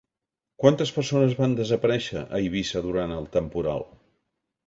Quantes persones van desaparèixer a Eivissa durant el temporal?